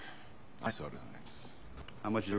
はい。